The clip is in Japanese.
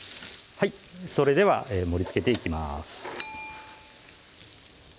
それでは盛りつけていきます